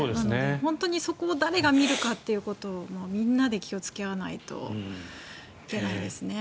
本当にそこを誰が見るかということをみんなで気をつけ合わないといけないですね。